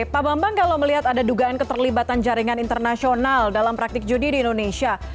pak bambang kalau melihat ada dugaan keterlibatan jaringan internasional dalam praktik judi di indonesia